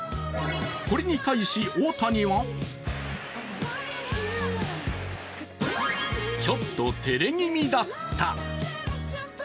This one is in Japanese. これに対し、大谷はちょっと照れ気味だった。